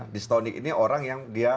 distonik ini orang yang dia